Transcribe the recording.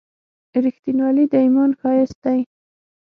• رښتینولي د ایمان ښایست دی.